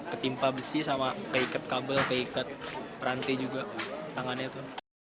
ketimpa besi sama keikat kabel keikat perantai juga tangannya tuh